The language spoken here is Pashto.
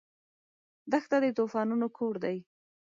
دښته د طوفانونو کور دی.